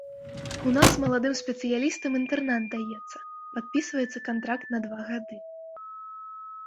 У нас маладым спецыялістам інтэрнат даецца, падпісваецца кантракт на два гады.